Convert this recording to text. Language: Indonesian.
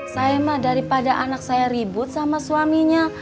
saya mah daripada anak saya ribut sama suaminya